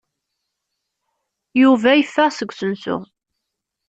Yuba yeffeɣ seg usensu.